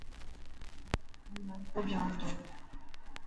هون نئون ڪوٽ جائون تو.